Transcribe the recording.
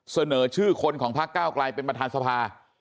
เสนอชื่อคนของพักเก้าไกลเป็นประธานสภา